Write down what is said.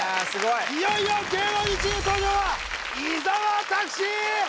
いよいよ芸能人チーム登場は伊沢拓司！